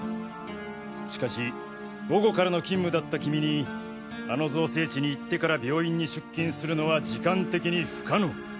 しかし午後からの勤務だったキミにあの造成地に行ってから病院に出勤するのは時間的に不可能